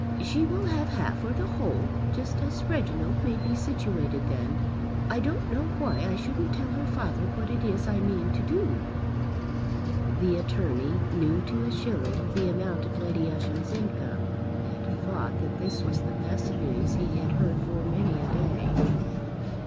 "She will have half or the whole, just as Reginald may be situated then. I don't know why I shouldn't tell her father what it is I mean to do." The attorney knew to a shilling the amount of Lady Ushant's income and thought that this was the best news he had heard for many a day.